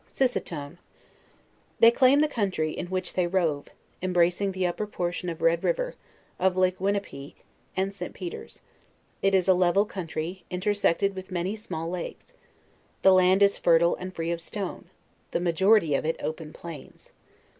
SISSATONE. They claim the country in which they rove, embracing the upper portions of Red river, of lake Winni pie, and St. Peters: it is a level country, intersected with many small lakes; the land is fertile and free of stone; the majority of it open plaias.